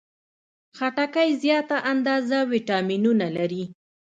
خټکی زیاته اندازه ویټامینونه لري.